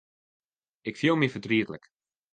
Ik fiel my fertrietlik.